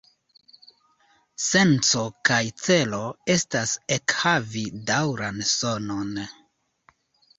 Senco kaj celo estas ekhavi daŭran sonon.